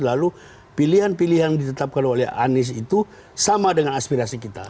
lalu pilihan pilihan ditetapkan oleh anies itu sama dengan aspirasi kita